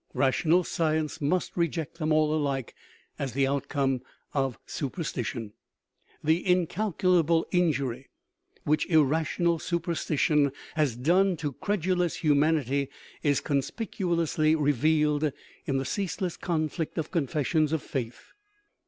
Rational sci ence must reject them all alike as the outcome of super stition. The incalculable injury which irrational superstition has done to credulous humanity is conspicuously re vealed in the ceaseless conflict of confessions of faith.